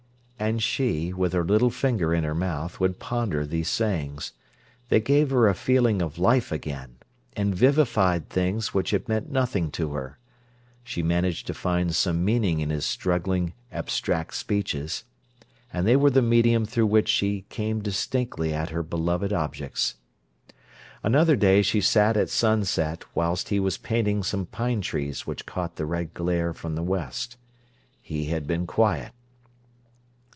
And she, with her little finger in her mouth, would ponder these sayings. They gave her a feeling of life again, and vivified things which had meant nothing to her. She managed to find some meaning in his struggling, abstract speeches. And they were the medium through which she came distinctly at her beloved objects. Another day she sat at sunset whilst he was painting some pine trees which caught the red glare from the west. He had been quiet.